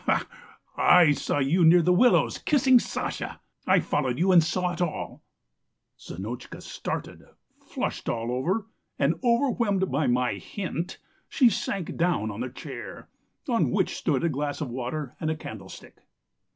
"'Gy y! I saw you near the willows kissing Sasha. I followed you and saw it all.' "Zinotchka started, flushed all over, and overwhelmed by 'my hint' she sank down on the chair, on which stood a glass of water and a candlestick.